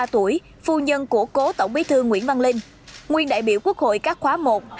một trăm linh ba tuổi phu nhân của cố tổng bí thư nguyễn văn linh nguyên đại biểu quốc hội các khóa một hai ba bốn